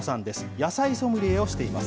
野菜ソムリエをしています。